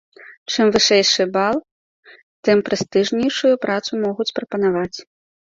Чым вышэйшы бал, тым прэстыжнейшую працу могуць прапанаваць.